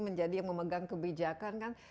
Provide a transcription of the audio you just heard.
memegang kebijakan kan